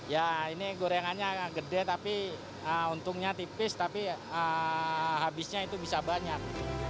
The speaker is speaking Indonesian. ya ini gorengannya gede tapi untungnya tipis tapi habisnya itu bisa banyak